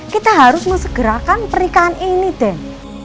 kita harus mesegerakan pernikahan ini den